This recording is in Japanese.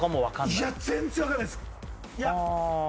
いや全然分からないですいやああ